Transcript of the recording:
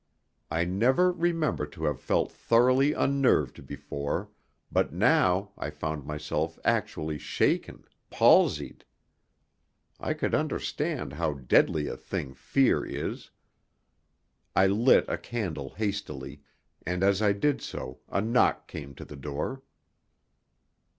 I never remember to have felt thoroughly unnerved before, but now I found myself actually shaken, palsied. I could understand how deadly a thing fear is. I lit a candle hastily, and as I did so a knock came to the door.